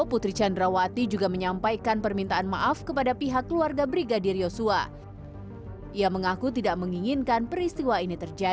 putri chandrawati juga menyampaikan permintaan masyarakat di bagian bawah kemampuan penyembuhan ketika mengangkut perbuatan yang dilakukan oleh istri dan perempuan yang telah mengangkut perbuatan oleh istri dan perempuan yang telah mengangkut tersebut